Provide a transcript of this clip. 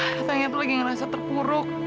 rasanya tuh lagi ngerasa terpuruk